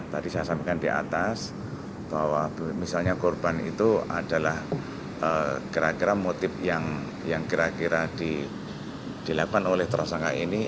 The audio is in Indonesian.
tadi saya sampaikan di atas bahwa misalnya korban itu adalah kira kira motif yang kira kira dilakukan oleh tersangka ini